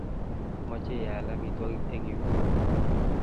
Amache aal amitwogik eng' yun